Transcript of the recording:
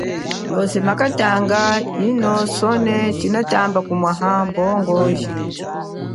Yoze makatanga ajino sona tshatamba kumwaha mbongo jindji.